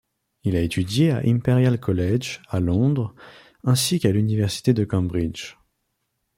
Il a étudié à Impérial College à Londres ainsi qu'à l'université de Cambridge.